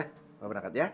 selamat berangkat ya